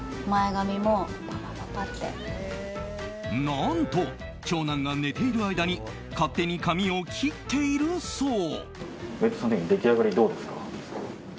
何と、長男が寝ている間に勝手に髪を切っているそう。